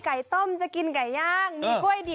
น่ารักจริงค่ะ